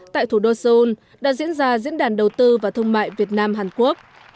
tại thủ đô seoul đã diễn ra diễn đàn đầu tư và thương mại việt nam hàn quốc